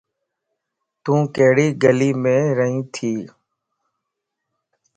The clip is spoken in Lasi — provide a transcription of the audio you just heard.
تون ڪھڙي گليم رئين تي؟